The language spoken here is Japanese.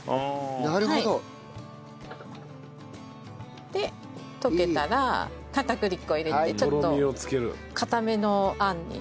なるほど。で溶けたら片栗粉を入れてちょっとかためのあんに。